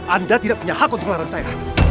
anda tidak punya hak untuk melarang saya